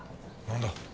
何だ？